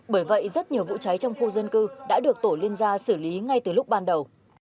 bởi vậy rất nhiều vụ cháy trong khu dân cư đã được tổ liên gia xử lý ngay từ lúc ban đầu